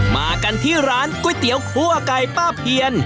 มากันที่ร้านก๋วยเตี๋ยวคั่วไก่ป้าเพียน